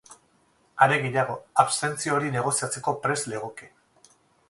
Are gehiago, abstentzio hori negoziatzeko prest legoke.